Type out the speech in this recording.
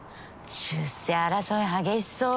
出世争い激しそう。